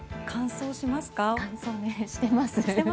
乾燥しています。